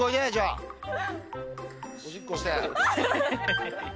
おしっこして。